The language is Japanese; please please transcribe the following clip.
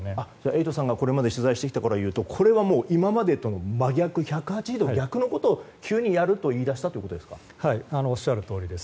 エイトさんがこれまで取材してきたことからいうとこれは今までとは１８０度逆のことを急にやると言い出したということですか。